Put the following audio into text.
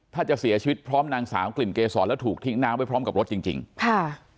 ถ้าจะเสียชีวิตพร้อมนางสาวกลิ่นเกษรแล้วถูกทิ้งน้ำไว้พร้อมกับรถจริงจริงค่ะ